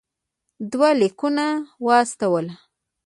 دوه لیکونه واستول.